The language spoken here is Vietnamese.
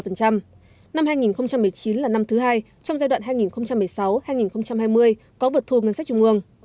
năm hai nghìn một mươi chín là năm thứ hai trong giai đoạn hai nghìn một mươi sáu hai nghìn hai mươi có vượt thu ngân sách trung ương